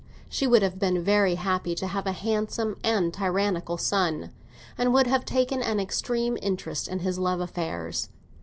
She would have been very happy to have a handsome and tyrannical son, and would have taken an extreme interest in his love affairs.